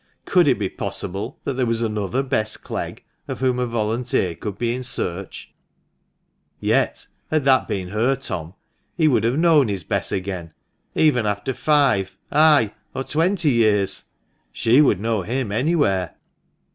Could it be possible that there was another Bess Clegg of whom a volunteer could be in search ? Yet, had that been her Tom, he would have known his Bess again, even after five — ay, or twenty years. She would know him anywhere